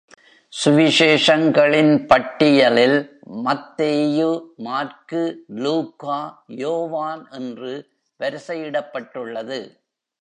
சுவிசேஷங்களின் பட்டியலில், மத்தேயு, மாற்கு, லூக்கா, யோவான் என்று வரிசையிடப்பட்டுள்ளது.